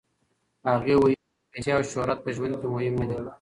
هغې ویلي، پیسې او شهرت په ژوند کې مهم نه دي.